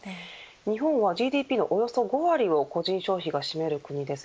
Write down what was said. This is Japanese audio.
日本はＧＤＰのおよそ５割を個人消費が占める国です。